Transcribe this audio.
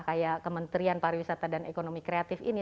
kayak kementerian pariwisata dan ekonomi kreatif ini